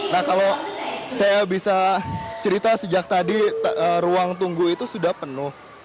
nah kalau saya bisa cerita sejak tadi ruang tunggu itu sudah penuh